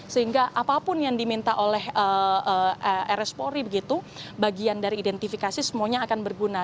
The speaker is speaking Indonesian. sehingga apapun yang diminta oleh rs polri begitu bagian dari identifikasi semuanya akan berguna